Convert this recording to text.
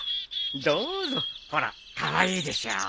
どうぞほらカワイイでしょ？